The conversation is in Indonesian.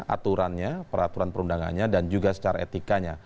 aturannya peraturan perundangannya dan juga secara etikanya